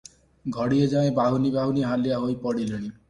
ଘଡ଼ିଏ ଯାଏ ବାହୁନି ବାହୁନି ହାଲିଆ ହୋଇ ପଡିଲେଣି ।